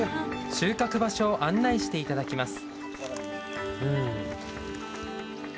収穫場所を案内していただきます。